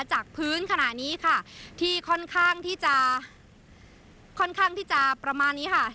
จากพื้นขณะนี้ค่ะที่ค่อนข้างที่จะค่อนข้างที่จะประมาณนี้ค่ะ